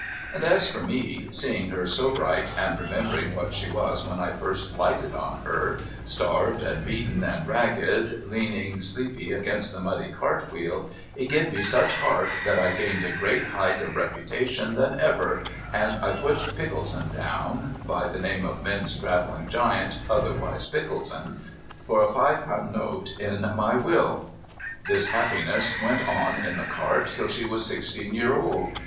And as for me, seeing her so bright, and remembering what she was when I first lighted on her, starved and beaten and ragged, leaning asleep against the muddy cart wheel, it give me such heart that I gained a greater heighth of reputation than ever, and I put Pickleson down (by the name of Mini's Travelling Giant otherwise Pickleson) for a fypunnote in my will. This happiness went on in the cart till she was sixteen year old.